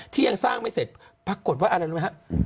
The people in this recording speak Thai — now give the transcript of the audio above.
ยังสร้างไม่เสร็จปรากฏว่าอะไรรู้ไหมฮะ